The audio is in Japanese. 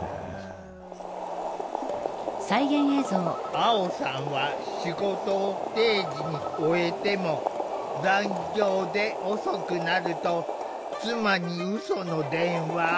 アオさんは仕事を定時に終えても「残業で遅くなる」と妻にうその電話。